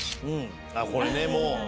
これねもう。